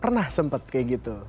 pernah sempet kayak gitu